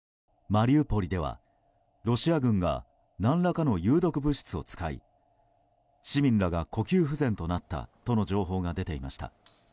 マリウポリでは、ロシア軍が何らかの有毒物質を使い市民らが呼吸不全となったとの情報が出ていました。